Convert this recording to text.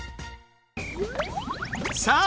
さあ！